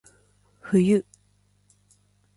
冬